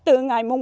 từ ngày mùng một